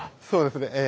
そうですね